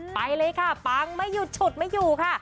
ไปเลยค่ะปังไม่หยุดฉุดไม่อยู่ค่ะ